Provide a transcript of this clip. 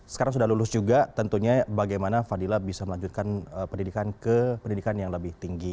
sekarang sudah lulus juga tentunya bagaimana fadila bisa melanjutkan pendidikan ke pendidikan yang lebih tinggi